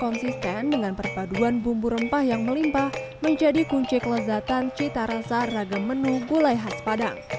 konsisten dengan perpaduan bumbu rempah yang melimpah menjadi kunci kelezatan cita rasa ragam menu gulai khas padang